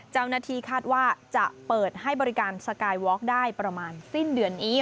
เจ้าหน้าที่คาดว่าจะเปิดให้บริการสกายวอล์ได้ประมาณสิ้นเดือนนี้